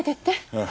ああ。